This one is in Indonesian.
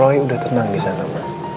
roy udah tenang disana ma